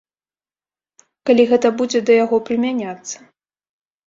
Калі гэта будзе да яго прымяняцца.